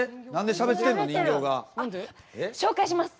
あっ紹介します。